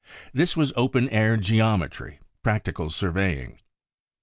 This was open air geometry, practical surveying.